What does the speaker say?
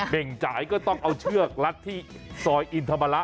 ่งจ่ายก็ต้องเอาเชือกรัดที่ซอยอินธรรมระ